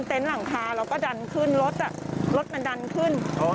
เต็นต์หลังคาเราก็ดันขึ้นรถมันดันขึ้น